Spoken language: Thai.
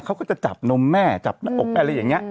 เขาก็จะจับนมแม่จับหน้าอกอะไรอย่างนี้